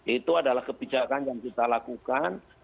itu adalah kebijakan yang kita lakukan